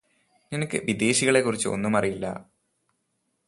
നിനക്ക് വിദേശികളെ കുറിച്ച് ഒന്നുമറിയില്ലാ